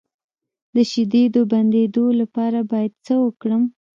د شیدو د بندیدو لپاره باید څه وکړم؟